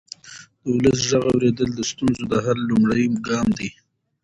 د ولس غږ اورېدل د ستونزو د حل لومړنی ګام دی